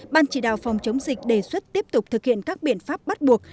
ban chỉ đạo phòng chống dịch đề xuất tiếp tục thực hiện các biện pháp bắt buộc